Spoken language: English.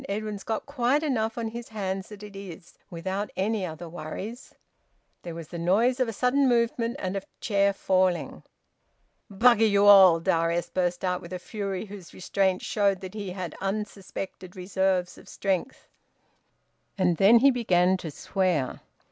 Edwin's got quite enough on his hands as it is, without any other worries." There was the noise of a sudden movement, and of a chair falling. "Bugger you all!" Darius burst out with a fury whose restraint showed that he had unsuspected reserves of strength. And then he began to swear.